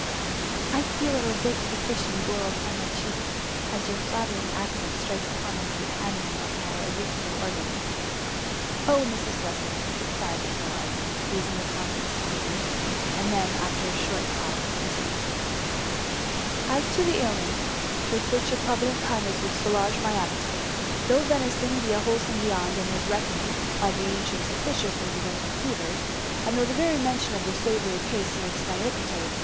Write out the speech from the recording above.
^^ I feel a roseate suffusion glow upon my cheeks, as your flat 0S THS MtJlCMT. tering accents strike upon the tympanum of my auricular organs,^ <<0h, Mrs. Russeir sighed Abelard, gas* ing upon her tenderly; — ^then, after a short pause, he continued :^^ As to the aliments with which your provident kindness would soulage my appetite — though venison be a wholesome viand^ and was reckoned by the andents effica dous in preventing fevers, and though the very mention of the savoury pasty makes the erypts?